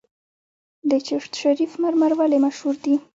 د چشت شریف مرمر ولې مشهور دي؟